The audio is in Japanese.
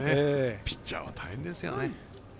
ピッチャーは大変ですよね。